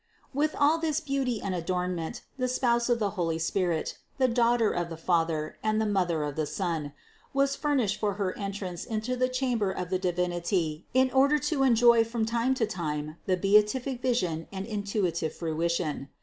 630. With all this beauty and adornment the Spouse of the Holy Ghost, the Daughter of the Father, and the Mother of the Son, was furnished for Her entrance into the chamber of the Divinity in order to enjoy from time to time the beatific vision and intuitive fruition.